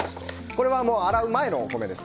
これは洗う前のお米です。